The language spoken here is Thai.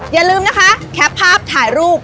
อย่าลืมนะคะแคปภาพถ่ายรูป